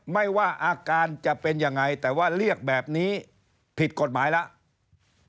ไม่ว่าอาการจะเป็นยังไงแต่ว่าเรียกแบบนี้ผิดกฎหมายแล้ว